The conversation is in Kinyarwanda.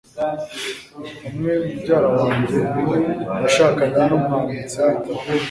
Umwe mubyara wanjye yashakanye numwanditsi w'ibitabo.